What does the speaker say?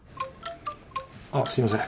あっすみません。